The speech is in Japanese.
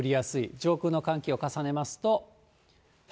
上空の寒気を重ねますと。